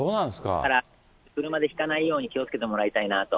だから車でひかないように気をつけてもらいたいなと。